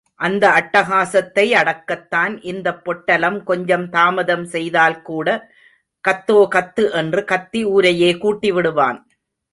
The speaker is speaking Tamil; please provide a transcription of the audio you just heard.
அந்த அட்டகாசத்தை அடக்கத்தான், இந்தப் பொட்டலம் கொஞ்சம் தாமதம் செய்தால்கூட, கத்தோ கத்து என்று கத்தி ஊரையே கூட்டிவிடுவான்.